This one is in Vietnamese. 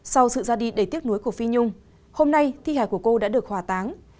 sau sự ra đi đầy tiếc núi của phi nhung hôm nay thi hài của cô đã được hòa táng